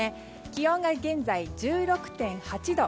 気温が現在１６．８度。